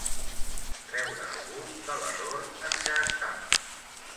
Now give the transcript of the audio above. Treure algú de l'error en què estava.